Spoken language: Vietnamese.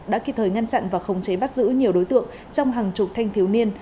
đã kịp thời ngăn chặn và khống chế bắt giữ nhiều đối tượng trong hàng chục thanh thiếu niên